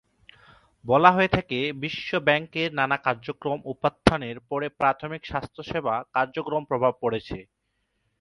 বলা হয়ে থাকে বিশ্ব ব্যাংকের নানা কার্যক্রম উত্থাপনের পরে প্রাথমিক স্বাস্থ্যসেবা কার্যক্রমে প্রভাব পড়েছে।